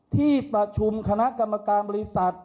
ที่ประชุมคณะกรรมการบริษัท